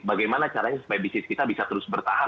bagaimana caranya supaya bisnis kita bisa terus bertahan